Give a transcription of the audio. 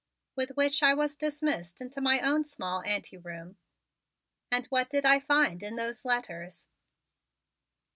With which I was dismissed into my own small anteroom. And what did I find in those letters?